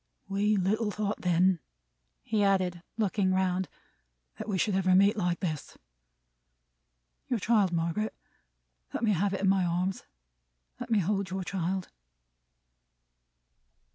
We little thought then," he added, looking round, "that we should ever meet like this. Your child, Margaret? Let me have it in my arms. Let me hold your child."